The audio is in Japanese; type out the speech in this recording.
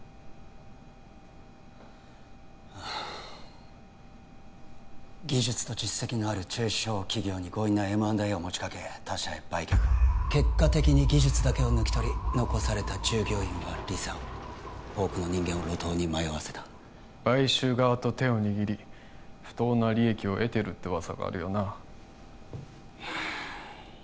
ああ技術と実績のある中小企業に強引なＭ＆Ａを持ちかけ他社へ売却結果的に技術だけを抜き取り残された従業員は離散多くの人間を路頭に迷わせた買収側と手を握り不当な利益を得てるって噂があるよな